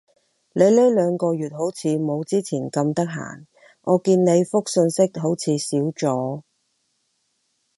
你呢兩個月好似冇之前咁得閒？我見你覆訊息好似少咗